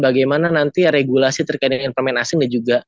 bagaimana nanti regulasi terkait dengan pemain asing